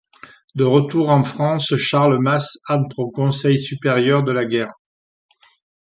De retour en France, Charles Mast entre au Conseil Supérieur de la Guerre.